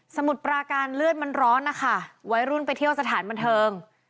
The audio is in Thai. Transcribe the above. มุดปราการเลือดมันร้อนนะคะวัยรุ่นไปเที่ยวสถานบันเทิง